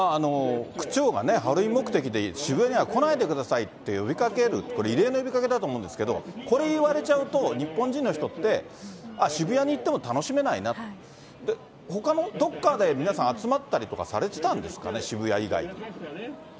区長がね、ハロウィーン目的で渋谷には来ないでくださいって呼びかける、これ、異例の呼びかけだと思うんですけど、これ言われちゃうと、日本人の人って、あっ、渋谷に行っても楽しめないな、ほかのどこかで皆さん集まったりとかされてたんですかね、渋谷以外で。